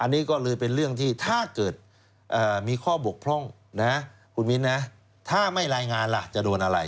อันนี้ก็เลยเป็นเรื่องที่ถ้าเกิดมีข้อบกพร่องนะคุณมิ้นนะถ้าไม่รายงานล่ะจะโดนอะไร